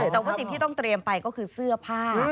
แต่ว่าสิ่งที่ต้องเตรียมไปก็คือเสื้อผ้า